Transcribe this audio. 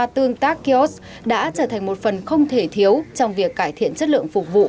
tương tác kiosk đã trở thành một phần không thể thiếu trong việc cải thiện chất lượng phục vụ